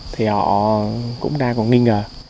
thì họ cũng đang còn nghi ngờ